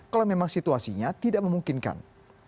kalau memang situasinya tidak memungkinkan